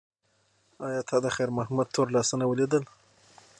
ایا تا د خیر محمد تور لاسونه ولیدل؟